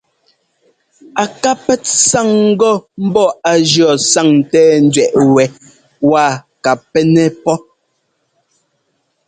A ká pɛ́t sáŋ ŋgɔ ḿbɔ́ á jʉɔ́ sáŋńtɛ́ɛńdẅɛꞌ wɛ waa ka pɛ́nɛ́ pɔ́.